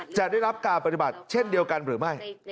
จะได้รับการปฏิบัติเช่นเดียวกันหรือไม่